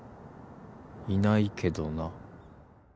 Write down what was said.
「いないけどな」